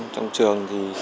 trong trường thì